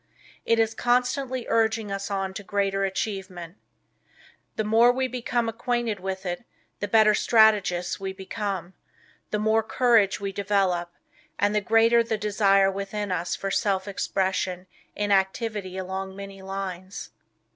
It is constantly urging us on to greater achievement. The more we become acquainted with it the better strategists we become, the more courage we develop and the greater the desire within us for self expression in activity along many lines.